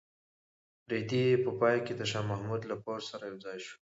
رېدی په پای کې د شاه محمود له پوځ سره یوځای شو.